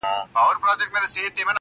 داسي محراب غواړم، داسي محراب راکه,